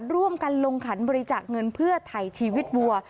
ร่วมกันลงขันบริจาคเงินเพื่อถ่ายชีวิตวัว